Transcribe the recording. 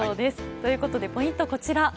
ということで、ポイントはこちら。